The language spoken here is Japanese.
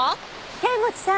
剣持さん！